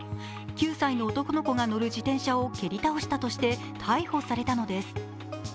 ９歳の男の子が乗る自転車を蹴り倒したとして逮捕されたのです。